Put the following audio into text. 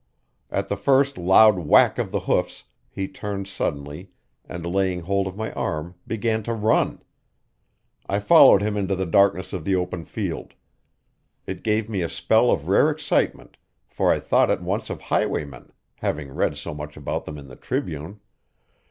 At the first loud whack of the hoofs he turned suddenly and laying hold of my arm began to run. I followed him into the darkness of the open field. It gave me a spell of rare excitement for I thought at once of highwaymen having read so much of them in the Tribune.